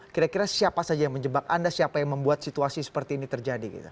kira kira siapa saja yang menjebak anda siapa yang membuat situasi seperti ini terjadi gitu